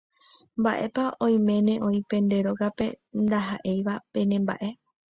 Mba'épa oiméne oĩ pende rógape ndaha'éiva penemba'e.